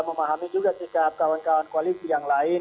memahami juga sikap kawan kawan koalisi yang lain